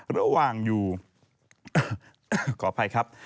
ระหว่างอยู่ขออภัยครับ